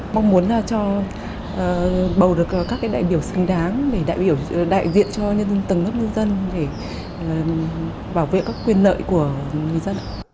mong muốn là cho bầu được các đại biểu xứng đáng đại diện cho tầng lớp nhân dân để bảo vệ các quyền lợi của người dân